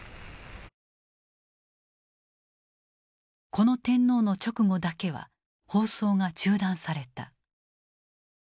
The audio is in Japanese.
この天皇の勅語だけは放送が中断された。